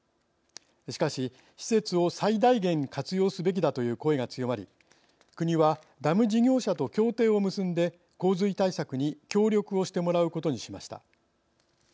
しかし施設を最大限活用すべきだという声が強まり国はダム事業者と協定を結んで洪水対策に協力をしてもらうことにしました。